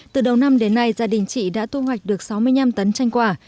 từ đầu năm đến nay gia đình chị đã thu hoạch được sáu mươi năm tấn chanh quả